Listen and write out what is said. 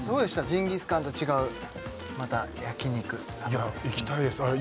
ジンギスカンと違うまた焼肉いや行きたいですあれ